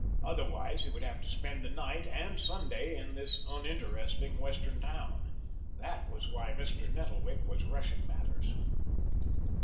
Otherwise, he would have to spend the night and Sunday in this uninteresting Western town. That was why Mr. Nettlewick was rushing matters.